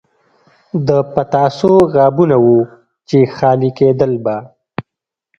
د پتاسو غابونه وو چې خالي کېدل به.